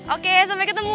oke sampai ketemu